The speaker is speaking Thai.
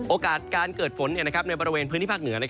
โอกาสการเกิดฝนในบริเวณพื้นที่ภาคเหนือ